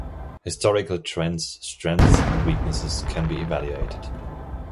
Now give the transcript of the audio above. Historical trends, strengths and weaknesses can be evaluated.